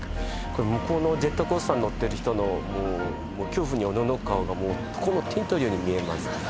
これ向こうのジェットコースターに乗ってる人のもう恐怖におののく顔が手に取るように見えます